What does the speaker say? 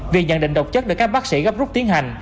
vì nhận định độc chất được các bác sĩ gấp rút tiến hành